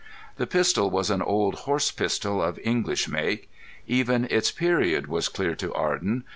The pistol was an old horse pistol of English make. Even its period was clear to Arden.